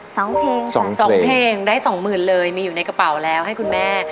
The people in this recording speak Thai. สองเพลงสองเพลงได้สองหมื่นเลยมีอยู่ในกระเป๋าแล้วให้คุณแม่